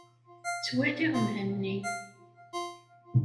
Ttwaliɣ Mhenni.